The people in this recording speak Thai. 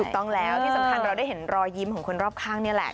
ถูกต้องแล้วที่สำคัญเราได้เห็นรอยยิ้มของคนรอบข้างนี่แหละ